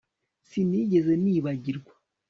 Sinigeze nibagirwa